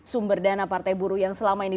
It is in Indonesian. sumber dana partai buruh yang selama ini